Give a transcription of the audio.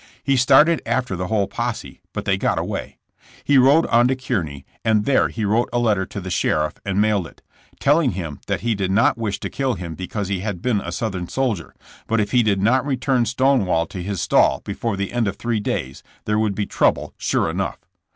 He started after the whole posse but they got away. He rode on to Kearney and there he wrote a letter to the sheriff and mailed it, telling him that he did not wish to kill him because he had been a Southern soldier, but if he did not return Stonewall to his stall before the end of three days there would be trouble sure enough.